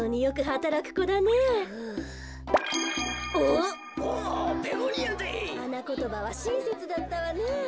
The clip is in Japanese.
はなことばはしんせつだったわね。